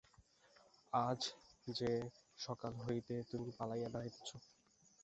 আজ যে সকাল হইতে তুমি পালাইয়া বেড়াইতেছ?